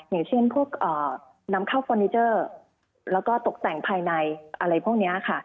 อย่างเช่นพวกนำเข้าฟอร์นิเจอร์แล้วก็ตกแต่งภายในอะไรพวกนี้ค่ะ